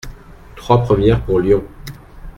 Trois premières pour Lyon !…